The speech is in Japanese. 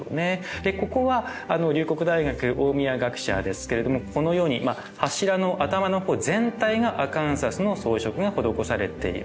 でここは龍谷大学大宮学舎ですけれどもこのように柱の頭の方全体がアカンサスの装飾が施されている。